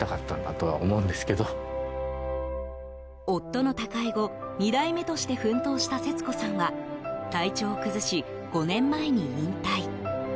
夫の他界後、２代目として奮闘した節子さんは体調を崩し５年前に引退。